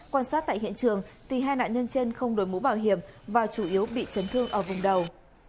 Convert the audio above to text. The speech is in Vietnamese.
quan sát tại hiện trường hai nạn nhân trên không đổi mũ bảo hiểm và chủ yếu bị chấn thương ở vùng đầu